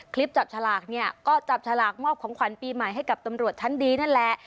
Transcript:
จับฉลากเนี่ยก็จับฉลากมอบของขวัญปีใหม่ให้กับตำรวจชั้นดีนั่นแหละ